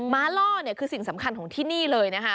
้าล่อเนี่ยคือสิ่งสำคัญของที่นี่เลยนะคะ